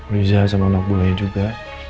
riza sama anak buaya juga